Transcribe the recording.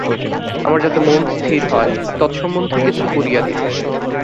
আমার যাতে মন স্থির হয়, তৎসম্বন্ধে কিছু করিয়া দিন।